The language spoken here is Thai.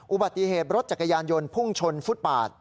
อุบัติเหตุรถจักรยานยนต์พุ่งชนฟุตปาด